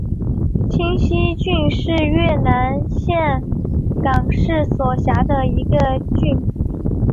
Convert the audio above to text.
清溪郡是越南岘港市所辖的一个郡。